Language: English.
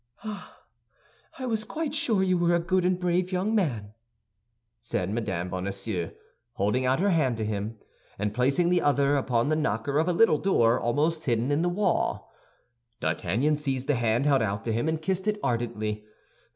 "Ah, I was quite sure you were a good and brave young man," said Mme. Bonacieux, holding out her hand to him, and placing the other upon the knocker of a little door almost hidden in the wall. D'Artagnan seized the hand held out to him, and kissed it ardently.